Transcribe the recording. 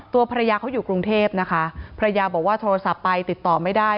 ตัวภรรยาเขาอยู่กรุงเทพนะคะภรรยาบอกว่าโทรศัพท์ไปติดต่อไม่ได้